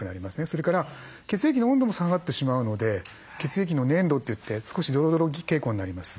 それから血液の温度も下がってしまうので血液の粘度といって少しドロドロ傾向になります。